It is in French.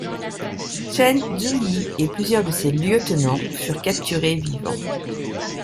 Chen Zuyi et plusieurs de ses lieutenants furent capturés vivant.